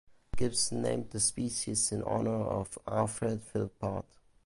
Gibbs named the species in honour of Alfred Philpott.